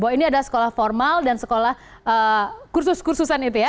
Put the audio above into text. bahwa ini adalah sekolah formal dan sekolah kursus kursusan itu ya